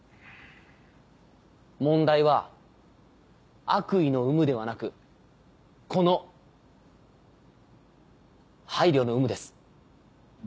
問題は悪意の有無ではなくこの配慮の有無です。